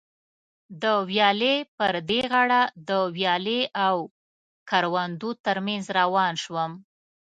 د ویالې پر دې غاړه د ویالې او کروندو تر منځ روان شوم.